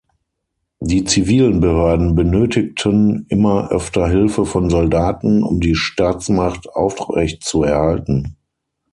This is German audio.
Die zivilen Behörden benötigten immer öfter Hilfe von Soldaten, um die Staatsmacht aufrechtzuerhalten.